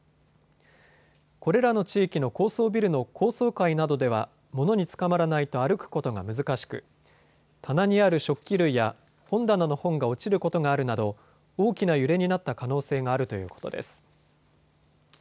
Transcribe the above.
これらの地域の高層ビルの高層階などでは物につかまらないと歩くことが難しく棚にある食器類や本棚の本が落ちることがあるなど大きな揺れになった可能性があるということです。